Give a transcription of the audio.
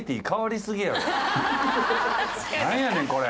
何やねんこれ。